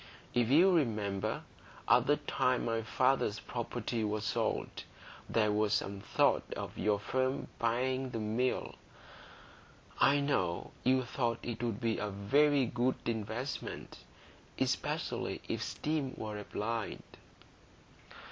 If you remember, at the time my father's property was sold, there was some thought of your firm buying the Mill; I know you thought it would be a very good investment, especially if steam were applied."